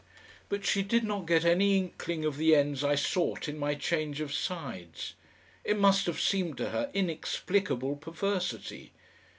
But she did not get any inkling of the ends I sought in my change of sides. It must have seemed to her inexplicable perversity.